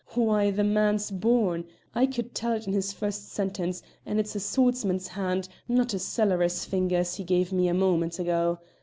Why, the man's Born! I could tell it in his first sentence, and it's a swordsman's hand, not a cellarer's fingers, he gave me a moment ago.